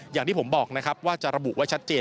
อย่างที่ผมบอกนะครับว่าจะระบุไว้ชัดเจน